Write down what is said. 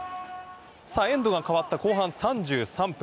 エンドが変わった後半３３分。